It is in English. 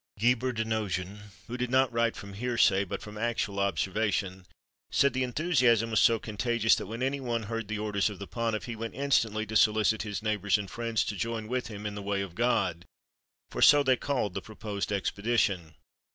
Guibert de Nogent. Guibert de Nogent. Guibert de Nogent, who did not write from hearsay, but from actual observation, says the enthusiasm was so contagious, that when any one heard the orders of the Pontiff, he went instantly to solicit his neighbours and friends to join with him in "the way of God," for so they called the proposed expedition.